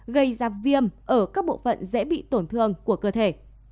gây ra viêm ở các bộ phận dễ bị tổn thương của cơ thể